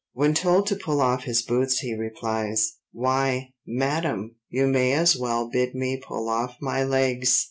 When told to pull off his boots he replies:—'Why, madam, you may as well bid me pull off my legs.